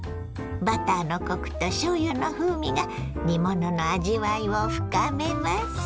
バターのコクとしょうゆの風味が煮物の味わいを深めます。